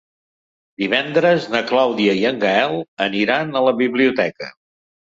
Divendres na Clàudia i en Gaël aniran a la biblioteca.